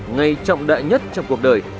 ngày trọng đại nhất trong cuộc đời